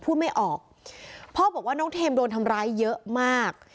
พูดไม่ออกพ่อบอกว่าน้องเทมโดนทำร้ายเยอะมาก